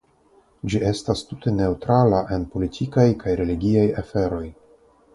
Ĝi estas tute neŭtrala en politikaj kaj religiaj aferoj.